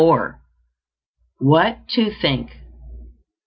WHAT TO THINK.